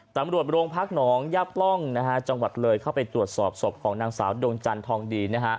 ตำรวจโรงพักหนองย่าปล่องจังหวัดเลยเข้าไปตรวจสอบศพของนางสาวดวงจันทองดี